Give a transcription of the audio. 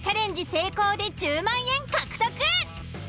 成功で１０万円獲得。